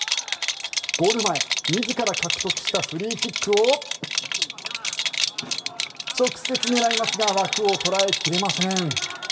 ゴール前、自ら獲得したフリーキックを直接狙いますが枠を捉え切れません。